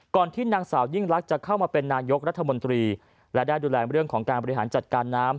ที่นางสาวยิ่งลักษณ์จะเข้ามาเป็นนายกรัฐมนตรีและได้ดูแลเรื่องของการบริหารจัดการน้ำ